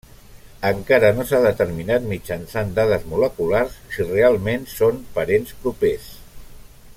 Encara no s'ha determinat mitjançant dades moleculars si realment són parents propers.